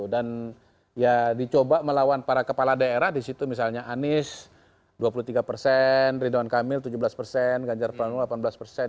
dan ya dicoba melawan para kepala daerah disitu misalnya anies dua puluh tiga persen ridwan kamil tujuh belas persen banjar pranowo delapan belas persen